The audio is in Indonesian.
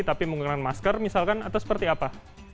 tapi menggunakan masker misalkan atau seperti apa